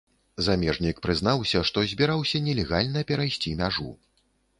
Замежнік прызнаўся, што збіраўся нелегальна перайсці мяжу.